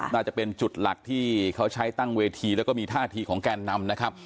น่าจะเป็นจุดหลักที่เขาใช้ตั้งเวทีแล้วก็มีท่าทีของแกนนำนะครับ